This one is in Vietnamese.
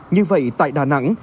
như vậy tại đà nẵng